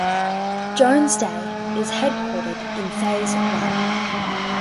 Jones Day is headquartered in Phase One.